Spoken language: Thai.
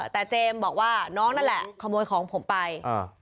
แต่เจมส์บอกว่าน้องนั่นแหละขโมยของผมไปอ่า